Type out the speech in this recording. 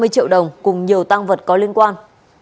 hai mươi triệu đồng cùng nhiều tăng vật có liên quan